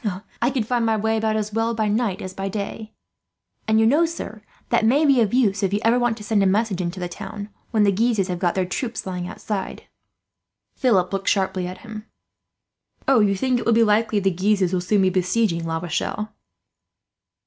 I could find my way about as well by night as by day; and you know, sir, that may be of use, if you ever want to send a message into the town when the Guises have got their troops lying outside." Philip looked sharply at him. "Oh, you think it likely that the Guises will soon be besieging La Rochelle?"